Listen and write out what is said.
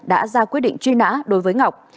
đã ra quyết định truy nã đối với ngọc